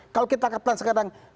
kalau kita katakan sekarang